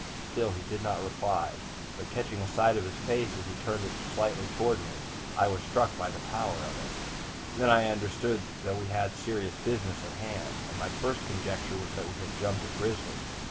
"Still he did not reply; but, catching a sight of his face as he turned it slightly toward me, I was struck by the pallor of it. Then I understood that we had serious business on hand, and my first conjecture was that we had 'jumped' a grizzly.